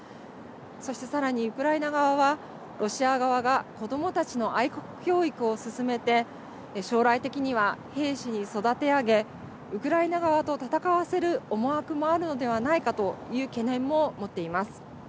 そして、さらにウクライナ側はロシア側が子どもたちの愛国教育を進めて将来的には兵士に育て上げウクライナ側と戦わせる思惑もあるのではないかという懸念も持っています。